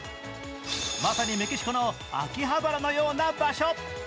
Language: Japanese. まさにメキシコの秋葉原のような場所。